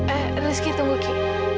eh rizky tunggu ki